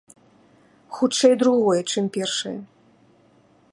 Хутчэй другое, чым першае.